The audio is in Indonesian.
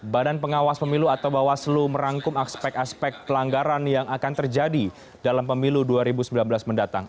badan pengawas pemilu atau bawaslu merangkum aspek aspek pelanggaran yang akan terjadi dalam pemilu dua ribu sembilan belas mendatang